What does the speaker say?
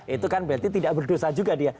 itu kan berarti tidak berdosa juga dia